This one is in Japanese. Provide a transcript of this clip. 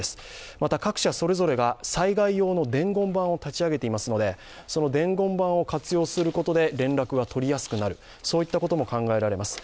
また、各社それぞれが災害用の伝言板を立ち上げていますのでその伝言板を活用することで連絡が取りやすくなるそういったことも考えられます。